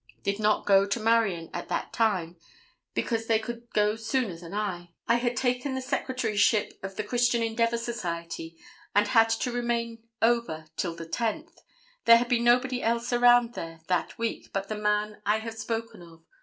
Did not go to Marion at that time, because they could go sooner than I. I had taken the Secretaryship of the Christian Endeavor Society and had to remain over till the 10th. There had been nobody else around there that week but the man I have spoken of.